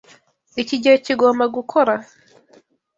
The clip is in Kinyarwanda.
Iki gihe kigomba gukora.